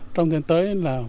trong thời gian tới là